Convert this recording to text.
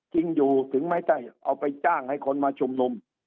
จริงอยู่ถึงไม่ได้เอาไปจ้างให้คนมาชุมนุม